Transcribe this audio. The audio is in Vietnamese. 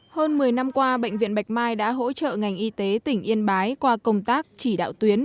hơn một mươi năm qua bệnh viện bạch mai đã hỗ trợ ngành y tế tỉnh yên bái qua công tác chỉ đạo tuyến